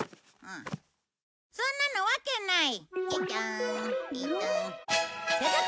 そんなのわけない。